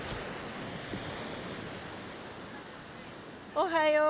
・おはよう！